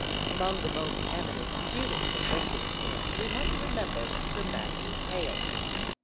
Among the most eminent students of Lincoln's Inn we must remember Sir Matthew Hale.